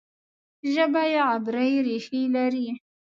ژبه یې عبري ریښې لري.